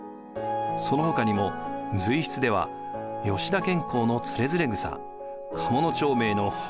そのほかにも随筆では吉田兼好の「徒然草」鴨長明の「方丈記」。